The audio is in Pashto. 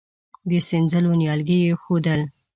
د سينځلو نيالګي يې اېښودل.